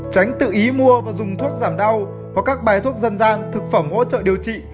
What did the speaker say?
tránh tự ý mua và dùng thuốc giảm đau hoặc các bài thuốc dân gian thực phẩm hỗ trợ điều trị